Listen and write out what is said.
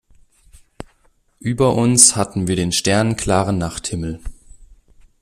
Über uns hatten wir den sternenklaren Nachthimmel.